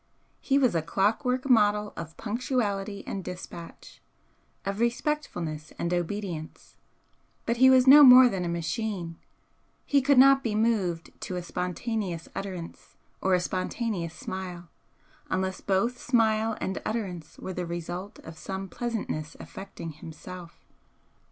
He was a clock work model of punctuality and dispatch, of respectfulness and obedience, but he was no more than a machine, he could not be moved to a spontaneous utterance or a spontaneous smile, unless both smile and utterance were the result of some pleasantness affecting himself.